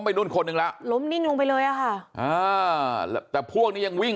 นุ่นคนหนึ่งแล้วล้มนิ่งลงไปเลยอ่ะค่ะอ่าแต่พวกนี้ยังวิ่ง